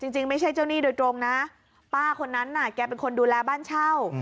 จริงไม่ใช่เจ้าหนี้โดยตรงนะป้าคนนั้นน่ะแกเป็นคนดูแลบ้านเช่า